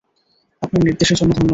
আপনার নির্দেশের জন্য ধন্যবাদ।